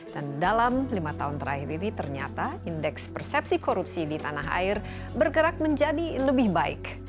dan dalam lima tahun terakhir ini ternyata indeks persepsi korupsi di tanah air bergerak menjadi lebih baik